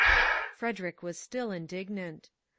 Frederick was still indignant.